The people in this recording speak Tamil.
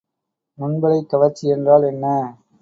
நுண்புழைக் கவர்ச்சி என்றால் என்ன?